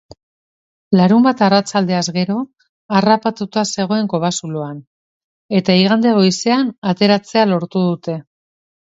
Larunbat arratsaldeaz gero harrapatuta zegoen kobazuloan, eta igande goizean ateratzea lortu dute.